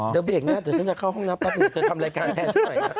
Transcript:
เดี๋ยวเดี๋ยวเดี๋ยวเดี๋ยวเบียกนะเดี๋ยวเดี๋ยวฉันจะเข้าห้องนับ